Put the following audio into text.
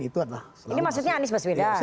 ini maksudnya anies baswedar